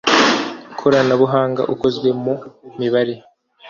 koranabuhanga ukozwe mu mibare